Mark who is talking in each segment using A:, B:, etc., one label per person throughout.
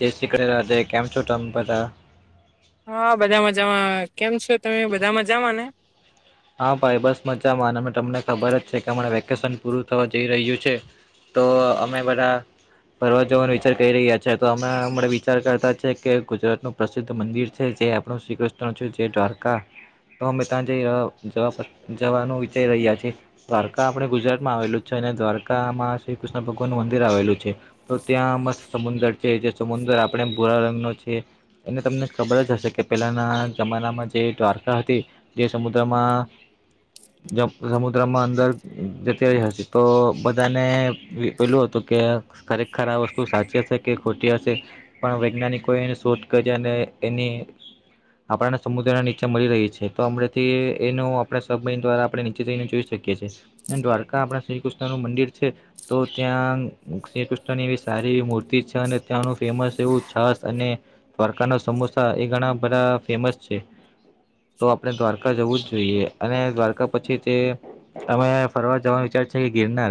A: જય શ્રી કૃષ્ણ કેમ છો તમ બધા
B: હા બધા મજામાં કેમ છો તમે બધા મજામાં ને
A: હા ભાઈ બસ મજામાં તમને ખબર જ છે કે હમણાં વેકેશન પૂરું થવા જઈ રહ્યું છે. તો અમે બધા ફરવા જવાનો વિચાર કરી રહ્યા છે તો અમે હમણા વિચાર કરતા છે કે ગુજરાત નું પ્રસિદ્ધ મંદિર છે. જે આપણું શ્રીકૃષ્ણ છ જે દ્વારકા તોમેતાં [unintelligible] જે જવા જવાનું વિચારી રહ્યા છ છેએ દ્વારકા આપણે ગુજરાતમાં આવેલું જ છે અને દ્વારકામાં કૃષ્ણ ભગવાન નું મંદિર આવેલું છે તો ત્યાં મસ્ત સમુંદર છે જે સમુદર આપણે ભોરા રંગ નો છે. એટલે તમને ખબર જ હશે કે પહેલાના જમાનામાં જે દ્વારકા હતી જે સમુદ્રમાં માં સમુદ્રમાં અંદર જતી રહી હશે તો બધાને પેલું હતું. કે ખરેખર આ વસ્તુ સાચી હશે કે ખોટી હશે પણ વૈજ્ઞાનિકો એની શોધ કરી અને એની આપણાને સમુદ્રના નીચે મળી રહી છે તો હમણાથી એનો આપણે સબમરીન દ્વારા આપણે નીચે જઈને જોઈ શકીએ છીએ દ્વારકા આપણા શ્રી કૃષ્ણનું મંદિર છે. તો ત્યાં શ્રી કૃષ્ણની એવી સારી એવી મૂર્તિ છે અને ત્યાંનું ફેમસ એવું છાસ અને દ્વારકા ના સમોસા એ ઘણા બધા ફેમસ છે તો આપણે દ્વારકા જવું જ જોઈએ અને દ્વારકા પછી તે અમે ફરવા જવાનું વિચાર છે ગિરનાર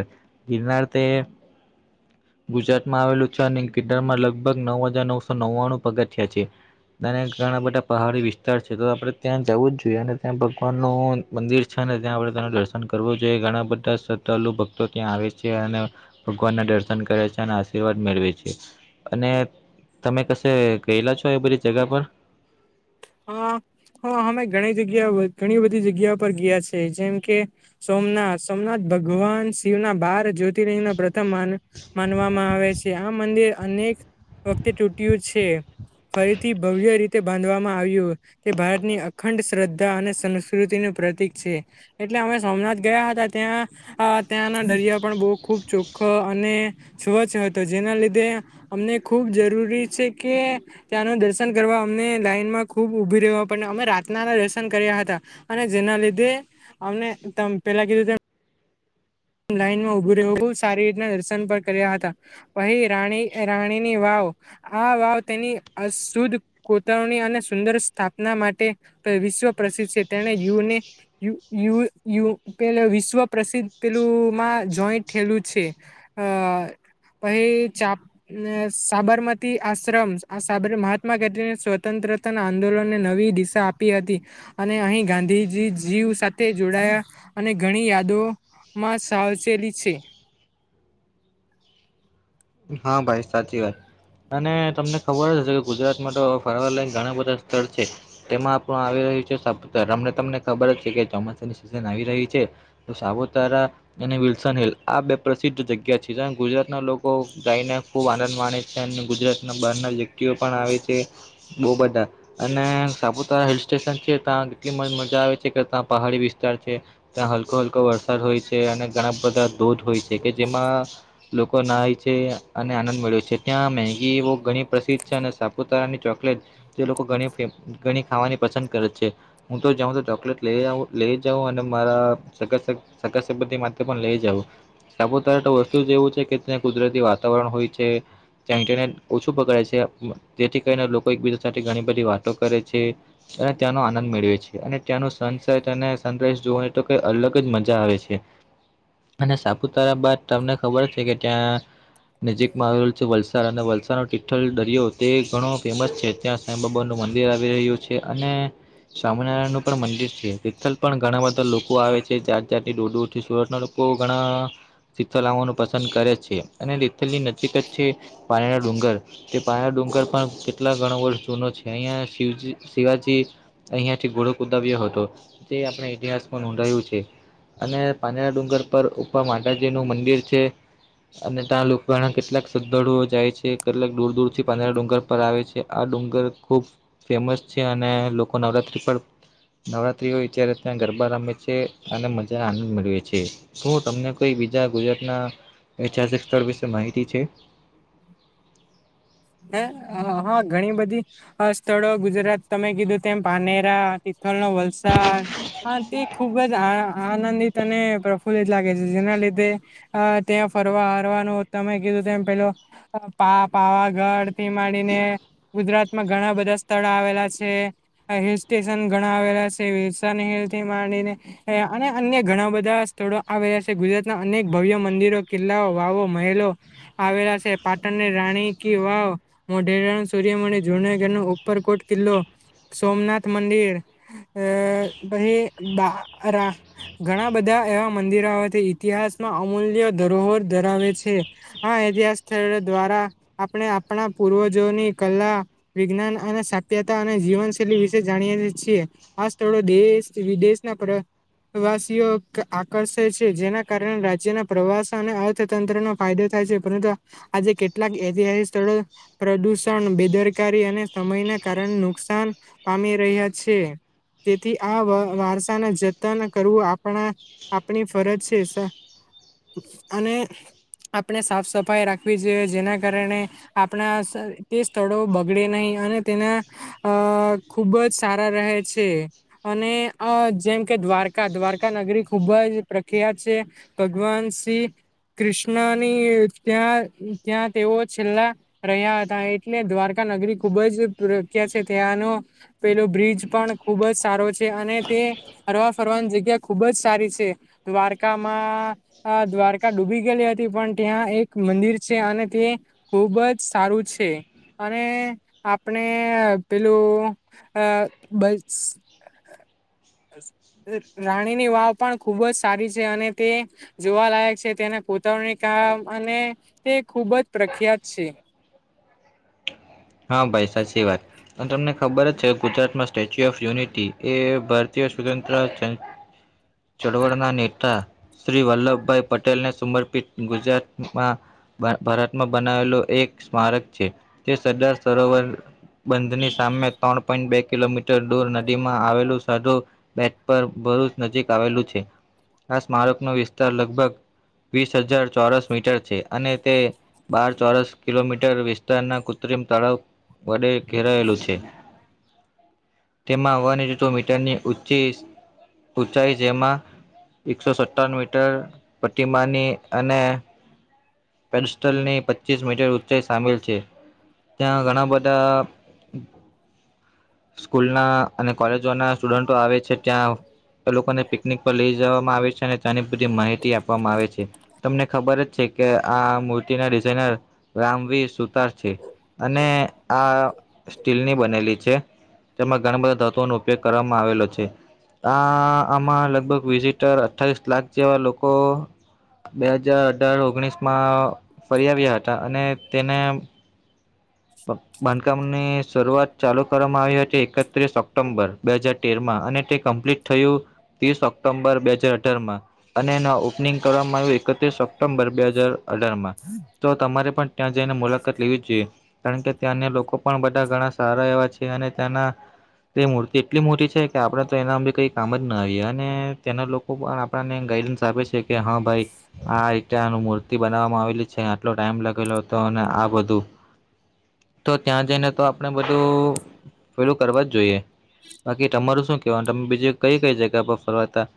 A: ગિરનાર કરતે ગુજરાતમાં આવેલું છે અને કિદારમાં લગભગ નવ હજાર નવસો નવ્વાણું પગથિયા છે અને ઘણા બધા પહાડી વિસ્તાર છે તો આપણે ત્યાં જવું જ જોઈએ અને ત્યાં ભગવાન નું મંદિર છે ને ત્યાં આપડે તેનું દર્શન કરવું જોઈએ ઘણા બધા શ્રદ્ધાલુ ભક્તો ત્યાં આવે છે ભગવાન ના દર્શન કરે છે અને આશીર્વાદ મેળવે છે અને તમે કશે ગયેલા છો એ બધી જગા પર
B: અ હા અમે ઘણી જગ્યા ઘણી બધી જગ્યા પર ગયા છે જેમ કે સોમનાથ સોમનાથ ભગવાન શિવ ના બાર જ્યોતિિંગ ના પ્રથમ માનવામાં આવે છે આ મંદિર અનેક વખતે તૂટ્યું છે ફરીથી ભવ્ય રીતે બાંધવામાં આવ્યું તે ભારતની અખંડ શ્રદ્ધા અને સંસ્કૃતિનું પ્રતિક છે એટલે અમે સોમનાથ ગયા હતા ત્યાં ત્યાંના દરિયા પણ બહ ખુબ ચોખ્ખા અને સ્વચ્છ હતો. જેના લીધે અમને ખૂબ જરૂરી છે કે ત્યાંનું દર્શન કરવા અમને લાઈનમાં ખૂબ ઉભી રવા પડ અમે રાતના દર્શન કર્યા હતા અને જેના લીધે અમને પેલા કીધું ત લાઈનમાં ઉભું રેવું સારી રીતના દર્શન પર કર્યા હતા અહી રાણીની વાવ આ વાવ તેની અ શુદ્ધ કોતરણી અને સુંદર સ્થાપના માટે વિશ્વ પ્રસિદ્ધ છે તેને યુને યુ યુ યુ પેલો વિશ્વ પ્રસિદ્ધ પેલું માં જોઈન્ટ થયેલું છે અ પાહિ ચા સાબરમતી આશ્રમ મહાત્મા ગાંધીને સ્વતંત્ર સ્વતંત્ર આંદોલનને નવી દિશા આપી હતી અને અહીં ગાંધીજી જીવ સાથે જોડાયા અને ઘણી યાદો માં સાવચેલી છે
A: હા ભાઈ સાચી વાત અને તમને ખબર હશે કે ગુજરાતમાં તો ફરવા લાયક ઘણા બધા સ્થળ છે તેમાં પણ હવે સાપુતારા હમણાં તમને ખબર છે કે ચોમાસાની સિઝન આવી રહી છે તો સાપુતારા વિલ્સન હિલ આ બે પ્રસિદ્ધ જગ્યા છે જ્યાં ગુજરાતના લોકો લોકો ગાઈને ખુબ આનંદ માણે છે અને ગુજરાત ના બહાર ના વ્યક્તિઓ પણ આવે છે બહુ બધા અને સાપુતારા હિલ સ્ટેશન છે ત્યાં કેટલી મજા આવે છે કે ત્યાં પહાડી વિસ્તાર છે ત્યાં હલકો હલકો વરસાદ હોય છે અને ઘણા બધા ધોધ હોય છે કે જેમાં લોકો નાઈ છે અને આનંદ મળ્યો છે ત્યાં મેગી બહ ઘણી પ્રસિદ્ધ છે અને સાપુતારાની ચોકલેટ જે લોકો ઘણી ખાવાની પસંદ કરે છે હું તો જાઉં તો ચોકલેટ લઈ આવું લઇ જાઉ અને મારા સબંધી સગા સંબંધી માટે પણ લઈ જાવ સાપુતારા વસ્તુ એવું છે કે ત્યાં કુદરતી વાતાવરણ હોય છે ત્યાં ઇન્ટરનેટ ઓછું પકડે છે જેથી કરીને લોકો એકબીજા સાથે ઘણી બધી વાતો કરે છે. અને ત્યાંનો આનંદ મેળવે છે અને ત્યાંનું સનસેટ અને સનરાઈઝ જોવ તો કઈ અલગ જ મજા આવે છે. અને સાપુતારા બાદ તમને ખબર છે કે ત્યાં નજીકમાં આવેલ છે વલસાડ અને વલસાડ નો ટિઠ્ઠલ દરિયો તે ઘણો ફેમસ છે ત્યાં સાંઈ બાબાનું મંદિર આવી રહ્યું છે અને સ્વામિનારાયણનું પણ મંદિર છે, ટિઠલ પણ ઘણા બધા લોકો આવે છે જાત જાતની દુર દુરથી સુરતના ઘણા શિતલ આવવાનું પસંદ કરે છે. અને લલની નજીકત છે, પાણીના ડુંગર તે પાણીના ડુંગર પણ કેટલા ગણ વર્ષ જુનો છે, અહિયા શિવજી શિવાજી, અહિયાં થી ઘોડો કુદાવ્યો હતો જે આપણે ઇતિહાસ નોંધાયું છે અને પાજરા ડુંગર પર ઉપર માતાજીનું મંદિર છે. અને ત્યાં લોકોણા કેટલાક શ્રદ્ધાળુઓ જાય છે કેટલાક દૂર દૂર થી પાંદરા ડુંગર પર આવે છે આ ડુંગર ડુંગર ખુબ ફેમસ છે અને લોકો નવરાત્રિ પર નવરાત્રી હોય ત્યાં ગરબા રમે છે અને મજાને આનંદ મેળવે છે, શું તમને કોઈ બીજા ગુજરાતના ઐતિહાસિક સ્થળ વિશે માહિતી છે.
B: હે હ ઘણી બધી સ્થળો ગુજરાત તમે કીધું તેમ પાનેરા, નો વલસાડ, હા તે ખુબ ખૂબ જ આનંદિત અને પ્રફુલ્લિત લાગે છે જેના લીધે ત્યાં ફરવા હરવાનું તમે કીધુંમ પેલો પા પાવાગઢ થી માંડીને ગુજરાતમાં ઘણા બધા સ્થળ આવેલા છે. હિલ સ્ટેશન ઘણા આવેલા શે, વિસા હિલથી માંડીને અને અન્ય ઘણા બધા સ્થળો આવેલા છે, ગુજરાતના અનેક ભવ્ય મંદિરો કિલ્લાઓ, વાવો, મહેલો આવેલા છે. પાટણ રાણી કિ વાવ, મોઢેરાનું સૂર્યમણિ, જૂનાગરનો ઉપરકોટ કિલ્લો સોમનાથ મંદિર, અ પછી બાર ઘણા બધા એવા મંદિરાઓથી ઇતિહાસમાં અમૂલ્ય ધરોહર ધરાવે છે, આ ઇતિહાસ સ્થળો દ્વારા આપણે આપણા પૂર્વજોની કલા વિજ્ઞાન અને સાત્યતા અને જીવનશૈલી વિશે જાણીએ છી આ સ્થળો દેશ, વિદેશના પ્રવાસીઓ આકર્ષે છે, જેના કારણે રાજ્યના પ્રવાસ અને અર્થતંત્રનો ફાયદો થાય છે પરંતુ આજે કેટલાક એ સ્થળો પ્રદુષણ, બેદરકારી અને સમયના કારણે નુકસાન પામી રહી યા છે. તેથી આ વારસાના જતન કરવું આપણા આપણી ફરજ છે. અને આપણે સાફ સફાઈ રાખવી જોઈએ. જેના કારણે આપણા તે સ્થળો બગડે નહીં અને તેના અ ખૂબ જ સારા રહે છે અને અ જેમ કે દ્વારકા દ્વારકા નગરી ખુબ જ પ્રખ્યાત છે. ભગવાન શ્રી કૃષ્ણની ત્યાં ત્યાં તેઓ છેલ્લા રહ્યા હતા એટલે દ્વારકા નગરી ખુબ જ પ્રખ્યાત છે ત્યાંનો પેલો બ્રિજ પણ ખૂબ જ સારો છે અને તે હરવા ફરવાની જગ્યા ખુબ જ સારી છે. દ્વારકામાં દ્વારકા ડૂબી ગયેલી હતી પણ ત્યાં એક મંદિર છે અને તે ખુબ જ સારું છે‌‌. અને આપણે પેલું અ બ
A: [unintelligible] [inaudible]
B: રાણીની વાવ પણ ખુબ જ સારી છે અને તે જોવાલાયક છે તેને કોતરણી કામ અને તે ખુબ જ પ્રખ્યાત છે.
A: હા ભાઈ સાચી વાત અને તમને ખબર જ છે ગુજરાતમાં સ્ટેચ્યુ ઓફ યુનિટી એ ભારતીય સ્વતંત્ર ચળવળના નેતા શ્રી વલ્લભભાઈ પટેલને સમર્પિત ગુજરાતમાં ભારતમાં બનાવેલો એક સ્મારક છે, જે સરદાર સરોવર બંધની સામે ત્રણ પોઈન્ટ બે કિલોમીટર દૂર નદીમાં આવેલું સાધુ બેટ પર ભરૂચ નજીક આવેલું છે આ સ્મારક નો વિસ્તાર લગભગ વીસ હજાર ચોરસ મીટર છે અને તે બાર ચોરસ કિલોમીટર વિસ્તારના કૃત્રિમ તળાવ વડે ઘેરાયેલું છે. તેમાં હવાની ઋતુ મીટરની ઉંચી ઉંચાઈ જેમાં એકસો સત્તાન મીટર પ્રતિમાની અને પેડસ્ટલની પચ્ચીસ મીટર ઊંચાઈ સામેલ છે. ત્યાં ઘણા બધા સ્કૂલ ના અને કોલેજો ના સ્ટુડન્ટો આવે છે ત્યાં તે લોકોને પિકનિક પર લઈ જવામાં આવે છે અને તેની બધી માહિતી આપવામાં આવે છે તમને ખબર જ છે કે આ મૂર્તિ ના ડિઝાઇનર રામવીર સુતાર છે. અને આ સ્ટીલની બનેલી છે. તેમાં ઘણા બધા તત્વોનો ઉપયોગ કરવામાં આવેલો છે. આ આમાં લગભગ વિઝિટર અઠ્ઠાવિસ લાખ જેવા લોકો બે હજાર અઢાર ઓગણીસ માં ફરી આવ્યા હતા અને તેને બાંધકામ ની શરૂઆત ચાલુ કરવામાં આવી હતી એકત્રીસ ઓક્ટોમ્બર બે હજાર તેર માં અને તે કમ્પ્લીટ થયું ત્રીસ ઓક્ટોમ્બર બે હાજર અઠાર માં અને એના ઓપનિંગ કરવામાં આવ્યું એકત્રીસ ઓક્ટોમ્બર બે હાજર અઢાર માં તો તમારે પણ ત્યાં જઈને મુલાકાત લેવી જ જોઈએ. કારણ કે ત્યાં ના લોકો પણ બધા ઘણા સારા એવા છે અને ત્યાંના તે મૂર્તિ એટલી મોટી છે કે આપણેે તો એના અે કઈ કામ જ ના આવીએ અને તેના લોકો પણ આપણાને કલન સા આપે છે કે હા ભાઈ આ ્યાં ન મૂર્તિ બનાવવામાં આવેલી છે આટલો ટાઈમ લાગેલો હતો અને આ બધું તો ત્યાં જઈને તો આપણે બધું પેલું કરવા જ જોઈએ બાકી તમારું શું તમે બીજું કઈ કઈ જગ્યા પર ફરવાતા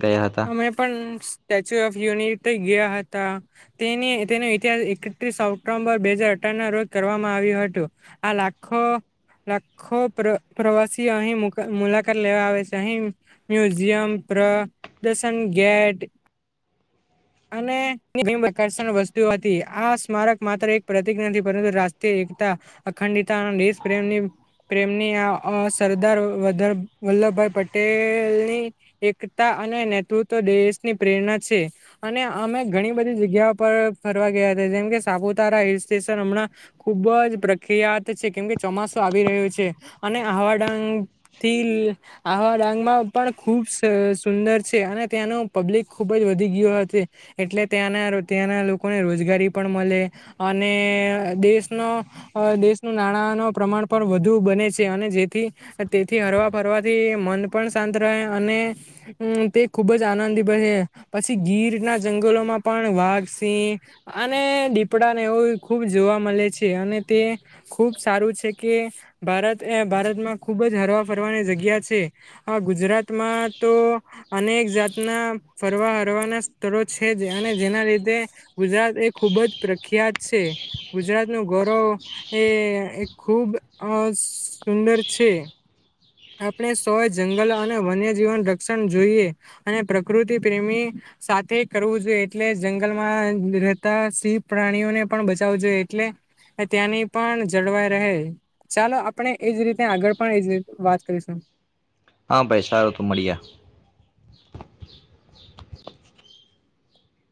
A: ગયા હતા
B: અમે પણ સ્ટેચ્યુ ઓફ યુનિટી ગયા હતા તેની તેનો ઇતિહાસ એકત્રીસ ઓક્ટોમ્બર બે હાજર અઢાર ના રોજ કરવામાં આવ્યું હતું આ લાખો લાખો પ્ર પ્રવાસી અહી મૂકા મુલાકાત લેવા આવે છે અહી મ્યુઝિયમ પ્રદશન ગેટ
A: [inaudible]
B: અને [unintelligible] વસ્તુઓ હતી આ સ્મારક માત્ર એક પ્રતિક નથી પરંતુ રાષ્ટ્રીય એકતા અખંડીતા અને દેશ પ્રેમની પ્રેમની અ સરદાર વલ્લભભાઈ પટેલની એકતા અને નેતૃત્વ દેશ ની પ્રેરણા છે અને અમે ઘણી બધી જગ્યા પર ફરવા ગયા જેમ કે સાપુતારા હિલ સ્ટેશન હમણાં ખુબ જ પ્રખ્યાત છે કેમ કે ચોમાસો આવી રહ્યો છે. છે અને આહવા ડાંગથી આહવા ડાંગમાં પણ ખૂબ સુંદર છે અને ત્યાંનો પબ્લિક ખૂબ જ વધી ગયો છે એટલે ત્યાંના ત્યાંના લોકોને રોજ ગારી પણ મલે અને દેશનો દેશનું નાણાંનું પ્રમાણ પણ વધુ બને છે અને જેથી તેથી હરવા ફરવાથી મન પણ શાંત રહે અને તે ખુબ જ આનંદી બને પછી ગીર ના જંગલોમાં પણ વાઘ સિંહ અને દીપડાને એવું ખૂબ જોવા મળે છે અને તે ખૂબ સારું છે કે ભારત એ ભારતમાં ખૂબ જ હરવા ફરવાની જગ્યા છે આ ગુજરાતમાં તો અનેક જાતના ફરવા હરવાના સ્થળ છે અને જેના લીધે ગુજરાત તે ખુબ જ પ્રખ્યાત છે ગુજરાત નું ગરવ એ ખુબ સુંદર છે આપણે સોય જંગલ અને વન્ય જીવન રક્ષણ જોઈએ અને પ્રકૃતિ પ્રેમી સાથે કરવું જોઈએ એટલે જંગલમાં રહેતા શિવિવ પ્રાણીઓને પણ બચાવું જોઈએ એટલે ત્યાંની પણ જળવાઈ રહે ચાલો આપણે એજ રીતે આગળ પણ એજ વાત [inaudible]
A: હા ભાઈ સારો તો મળી જ